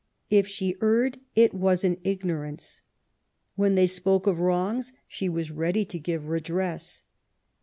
If she erred, it was in ignorance; when they spoke of wrongs, she was ready to give redress.